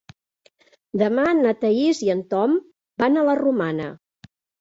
Demà na Thaís i en Tom van a la Romana.